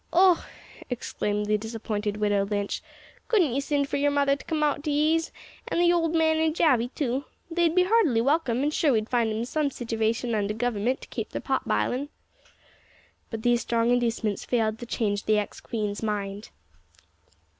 "Och!" exclaimed the disappointed widow Lynch, "cudn't ye sind for yer mother to come out to yez, an' the ould man in Javy too? They'd be heartily welcome, an' sure we'd find 'em some sitivation under guvermint to kape their pot bilin'." But these strong inducements failed to change the ex queen's mind.